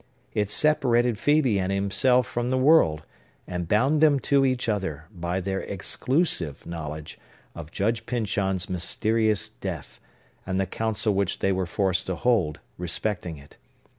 It separated Phœbe and himself from the world, and bound them to each other, by their exclusive knowledge of Judge Pyncheon's mysterious death, and the counsel which they were forced to hold respecting it.